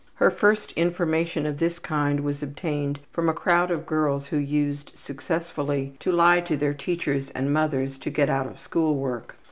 Her first information of this kind was obtained from a crowd of girls who used successfully to lie to their teachers and mothers to get out of school work.